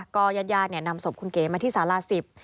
ก็ยาดนำศพคุณเก๋มาที่ศาลาสิบ